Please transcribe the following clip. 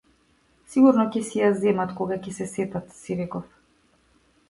Сигурно ќе си ја земат, кога ќе се сетат, си реков.